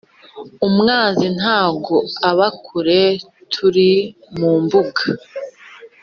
Umwanzi ntago aba kure turi mumbuga